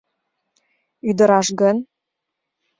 — Ӱдыраш гын?..